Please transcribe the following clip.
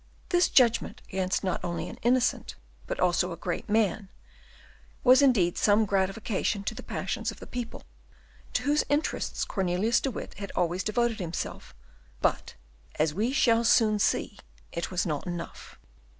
This judgment against not only an innocent, but also a great man, was indeed some gratification to the passions of the people, to whose interests Cornelius de Witt had always devoted himself: but, as we shall soon see, it was not enough.